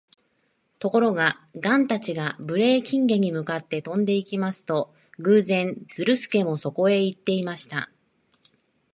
ところが、ガンたちがブレーキンゲに向かって飛んでいきますと、偶然、ズルスケもそこへいっていました。